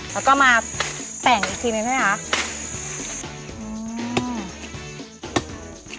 แล้วก็มาแต่งอีกทีหนึ่งให้นะคะ